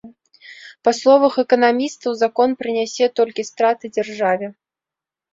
Па словах эканамістаў, закон прынясе толькі страты дзяржаве.